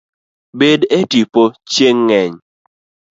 Bed e tipo chieng' ng'eny